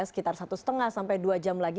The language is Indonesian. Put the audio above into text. sekitar satu lima sampai dua jam lagi